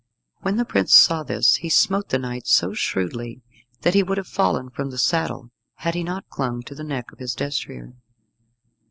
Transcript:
When the prince saw this he smote the knight so shrewdly that he would have fallen from the saddle, had he not clung to the neck of his destrier.